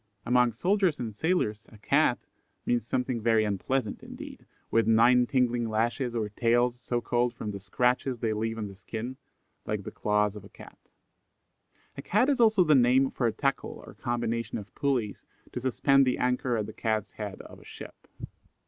Among soldiers and sailors a "Cat" means something very unpleasant indeed, with nine tingling lashes or tails, so called, from the scratches they leave on the skin, like the claws of a cat. A Cat is also the name for a tackle or combination of pulleys, to suspend the anchor at the cat's head of a ship.